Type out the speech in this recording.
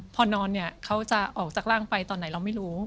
พอนอนเนี่ยเขาจะออกจากร่างไปตอนไหนเราไม่รู้